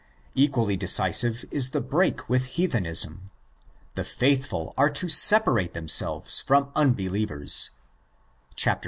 Equally decisive is the break with heathenism (ἀνομία, σκότος). The faithful are to separate themselves from ' un believers " (vi.